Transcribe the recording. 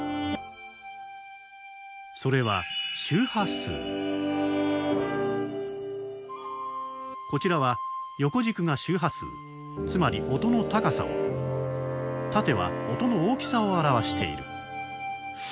それはこちらは横軸が周波数つまり音の高さを縦は音の大きさを表している。